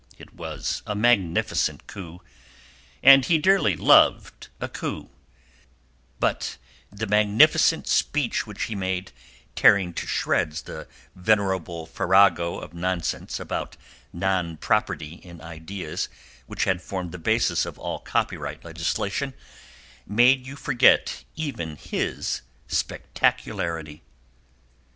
It was a magnificent coup, and he dearly loved a coup; but the magnificent speech which he made, tearing to shreds the venerable farrago of nonsense about nonproperty in ideas which had formed the basis of all copyright legislation, made you forget even his spectacularity.